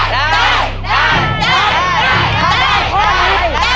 ได้